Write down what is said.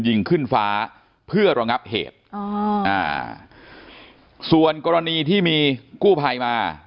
ยิงขึ้นฟ้าเพื่อระงับเหตุอ๋ออ่าส่วนกรณีที่มีกู้ภัยมา